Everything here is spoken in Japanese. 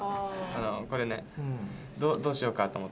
これねどうしようかと思って。